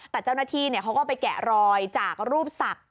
แต่เจ้าหน้าที่เขาก็ไปแกะรอยจากรูปศักดิ์